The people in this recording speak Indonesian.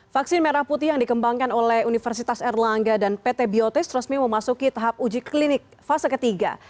vaksin merah putih yang dikembangkan oleh universitas erlangga dan pt biotis resmi memasuki tahap uji klinik fase ketiga